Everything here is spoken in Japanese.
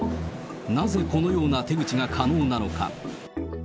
なぜこのような手口が可能なのか。